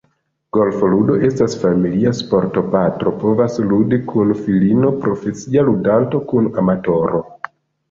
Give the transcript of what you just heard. Golfludo estas familia sporto – patro povas ludi kun filino, profesia ludanto kun amatoro.